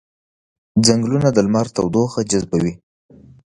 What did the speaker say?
ځنګلونه د لمر تودوخه جذبوي